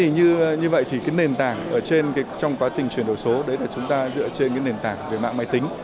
như vậy thì nền tảng trong quá trình chuyển đổi số đấy là chúng ta dựa trên nền tảng về mạng máy tính